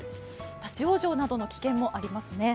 立往生などの危険もありますね。